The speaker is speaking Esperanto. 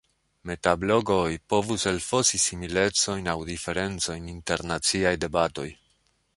Metablogoj povus elfosi similecojn aŭ diferencojn inter naciaj debatoj.